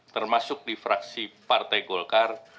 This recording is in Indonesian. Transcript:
termasuk di fraksi partai golkar